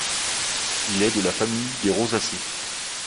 Il est de la famille des rosacées.